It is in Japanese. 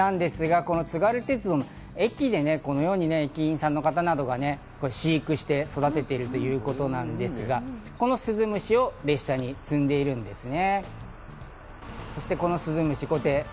この鈴虫なんですが津軽鉄道の駅でこのように駅員さんなどが飼育して育てているということなんですが、この鈴虫を列車に積んでいるんですね。